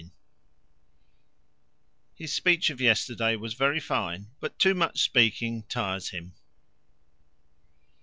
His speech of yesterday was very fine, but too much speaking tires him.